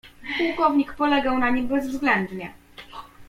"Pułkownik polegał na nim bezwzględnie."